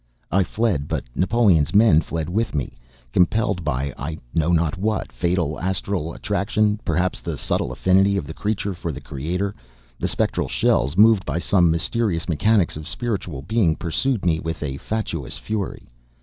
I fled, but Napoleon's men fled with me. Compelled by I know not what fatal astral attraction, perhaps the subtle affinity of the creature for the creator, the spectral shells, moved by some mysterious mechanics of spiritual being, pursued me with fatuous fury.